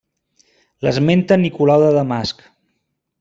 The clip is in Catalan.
L'esmenta Nicolau de Damasc.